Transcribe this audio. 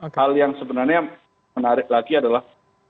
hal yang sebenarnya menarik lagi adalah